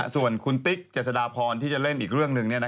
ส่วนคุณติ๊กเจษฎาพรที่จะเล่นอีกเรื่องหนึ่ง